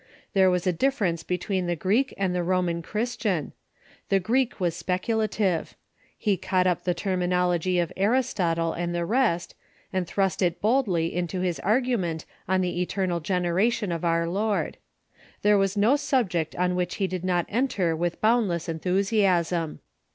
There Avas a difference between the Greek and the Roman Christian, The Greek was speculative. He caught up the terminology of Aristotle and the rest, and thrust it boldly into his argument on the eternal generation of our Lord, There was no subject on which he did not enter with boundless enthusiasm.